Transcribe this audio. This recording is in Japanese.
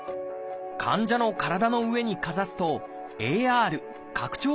患者の体の上にかざすとＡＲ拡張